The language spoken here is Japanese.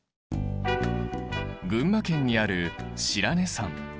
群馬県にある白根山。